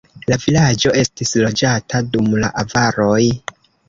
La vilaĝo estis loĝata dum la avaroj.